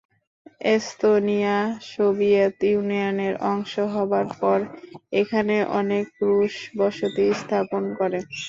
Estonia Soviet ইউনিয়নের অংশ হবার পর এখানে অনেক রুশ বসতি স্থাপন করে।